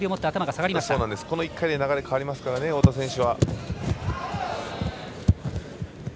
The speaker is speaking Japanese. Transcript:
この１回で流れ変わりますからね、太田選手。